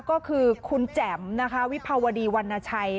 ก็คือคุณแจ๋มนะคะวิภาวดีวรรณชัย